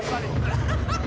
アハハハハ！